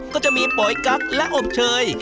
ก็จะมีปอกั๊กและอบเชย